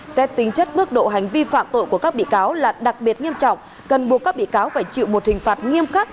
xét tính chất mức độ hành vi phạm tội của các bị cáo là đặc biệt nghiêm trọng cần buộc các bị cáo phải chịu một hình phạt nghiêm khắc